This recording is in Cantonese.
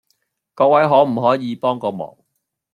各位可唔可以幫個忙